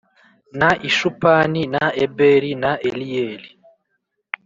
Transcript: na Ishupani na Eberi na Eliyeli